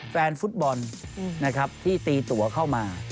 แฟนฟุตบอลนะครับที่ตีตัวเข้ามา